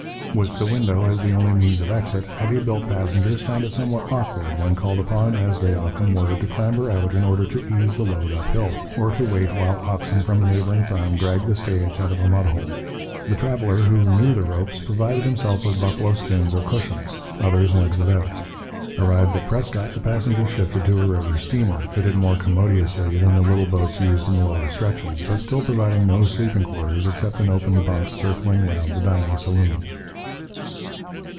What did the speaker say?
With the window as the only means of exit, heavy built passengers found it somewhat awkward when called upon, as they often were, to clamber out in order to ease the load uphill, or to wait while oxen from a neighbouring farm dragged the stage out of a mud hole. The traveller who 'knew the ropes' provided himself with buffalo skins or cushions; others went without. Arrived at Prescott, the passengers shifted to a river steamer, fitted more commodiously than the little boats used in the lower stretches, but still providing no sleeping quarters except in open bunks circling round the dining saloon.